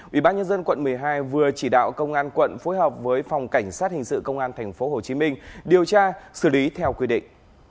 ubnd quận một mươi hai vừa chỉ đạo công an quận phối hợp với phòng cảnh sát hình sự công an tp hcm điều tra xử lý theo quy định